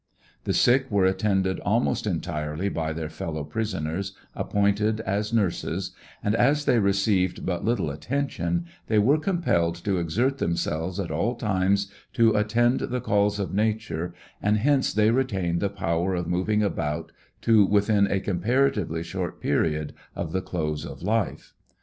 The sick were attended almost entirely by their fellow prisoners, appointed as nurses, and as they received but little atten tion, they were compelled to exert themselves at all times to attend the calls of nature, and hence they retain the power of moving about to within a comparatively short period of the close of life.